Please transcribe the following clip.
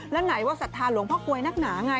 แล้วไหนว่าศรัทธาหลวงพ่อกลวยนักหนาไง